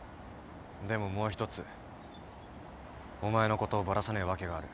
でももう一つお前のことをバラさねえわけがある。